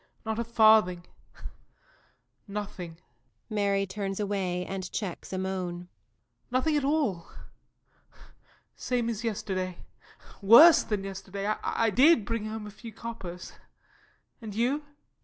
Not a farthing. Nothing. [MARY turns away and checks a moan. JOE. Nothing at all. Same as yesterday worse than yesterday I did bring home a few coppers And you?